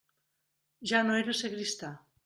Ja no era sagristà.